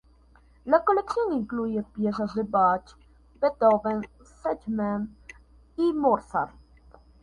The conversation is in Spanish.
La colección incluye piezas de Bach, Beethoven, Schumann y Mozart.